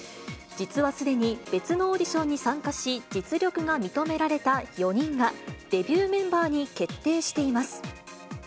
実はすでに別のオーディションの参加し、実力が認められた４人が、デビューメンバーに決定しています。